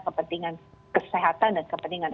kepentingan kesehatan dan kepentingan